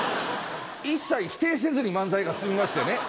一切否定せずに漫才が進みましてね。